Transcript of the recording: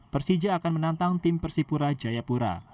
persija akan menantang tim persipura jayapura